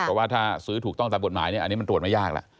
เพราะว่าถ้าซื้อถูกต้องตามกฎหมายเนี่ยอันนี้มันตรวจไม่ยากแล้ว